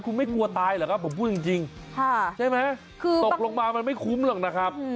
คุณไม่กลัวตายเหรอครับผมพูดจริงใช่ไหมคือตกลงมามันไม่คุ้มหรอกนะครับ